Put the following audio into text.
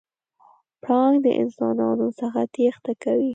پړانګ د انسانانو څخه تېښته کوي.